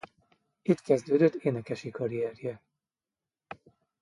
Itt kezdődött énekesi karrierje.